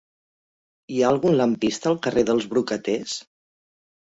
Hi ha algun lampista al carrer dels Brocaters?